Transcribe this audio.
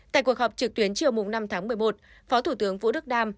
tại cuộc họp trực tuyến chiều năm tháng một mươi một phó thủ tướng vũ đức đam